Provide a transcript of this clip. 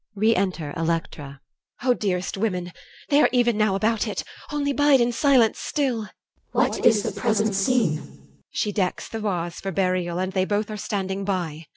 Re enter ELECTRA. EL. O dearest women! they are even now About it. Only bide in silence still. CH. What is the present scene? EL. She decks the vase For burial, and they both are standing by.